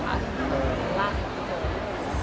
หลายเดือนแล้วค่ะ